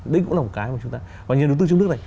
đây cũng là một cái mà chúng ta và nhà đầu tư trong nước này